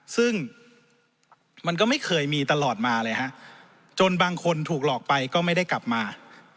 ซึ่งมันก็ไม่เคยมีตลอดมาเลยฮะจนบางคนถูกหลอกไปก็ไม่ได้กลับมา